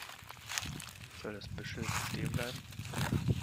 Soll das Büschel so stehen bleiben?